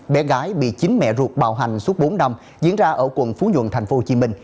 bé gái bị chính mẹ ruột bạo hành suốt bốn năm diễn ra ở quận phú nhuận tp hcm